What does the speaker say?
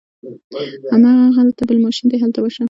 هغلته بل ماشین دی هلته ورشه.